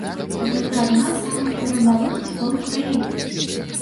Гэта адна з самых перадавых школ краіны.